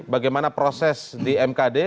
bagaimana proses di mkd